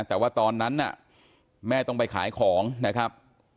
แต่ว่าตอนนั้นน่ะแม่ต้องไปขายของนะครับ